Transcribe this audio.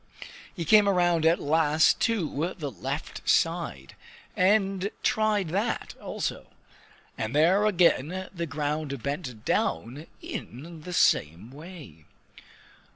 He came around at last to the left side, and tried that also. And there again the ground bent down in the same way.